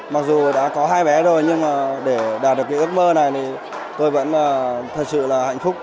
mặc dù đã có hai bé rồi nhưng mà để đạt được cái ước mơ này thì tôi vẫn thật sự là hạnh phúc